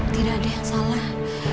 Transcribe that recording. tidak ada yang salah